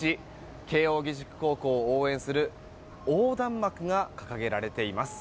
慶應義塾高校を応援する横断幕が掲げられています。